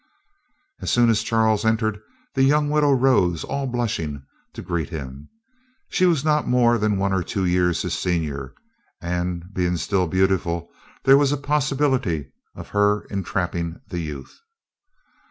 As soon as Charles entered, the young widow rose, all blushing, to greet him. She was not more than one or two years his senior, and, being still beautiful, there was a possibility of her entrapping the youth.